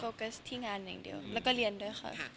ใช่ค่ะโฟกัสที่งานอย่างเดียวแล้วก็เรียนด้วยครับ